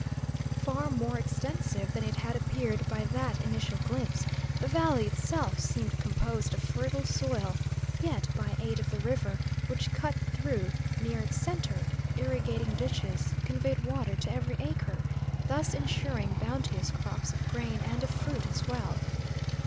Far more extensive than it had appeared by that initial glimpse, the valley itself seemed composed of fertile soil, yet, by aid of the river which cut through, near its centre, irrigating ditches conveyed water to every acre, thus ensuring bounteous crops of grain and of fruit as well.